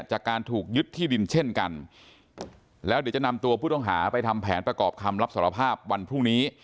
จากการถูกยึดที่ดินเช่นกันแล้วเดี๋ยวจะนำตัวผู้ต้องหาไปทำแผนประกอบคำรับสารภาพวันพรุ่งนี้